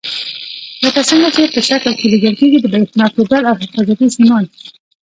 لکه څنګه چې په شکل کې لیدل کېږي د برېښنا کیبل او حفاظتي سیمان.